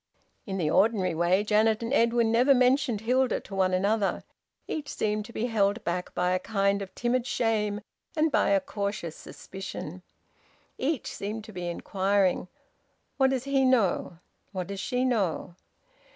In the ordinary way Janet and Edwin never mentioned Hilda to one another. Each seemed to be held back by a kind of timid shame and by a cautious suspicion. Each seemed to be inquiring: "What does he know?" "What does she know?"